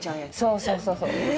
そうそうそうそう。